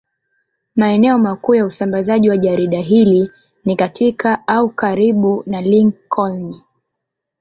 Maeneo makuu ya usambazaji wa jarida hili ni katika au karibu na Lincoln.